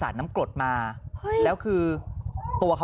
อารมณ์ไม่ดีเพราะว่าอะไรฮะ